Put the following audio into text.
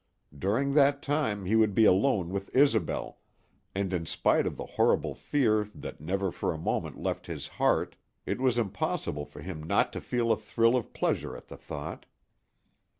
During that time he would be alone with Isobel, and in spite of the horrible fear that never for a moment left his heart it was impossible for him not to feel a thrill of pleasure at the thought.